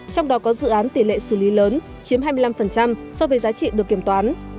trong đó có dự án tỷ lệ xử lý lớn chiếm hai mươi năm so với giá trị được kiểm toán